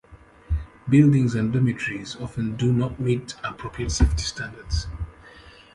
Buildings and dormitories often do not meet appropriate safety standards.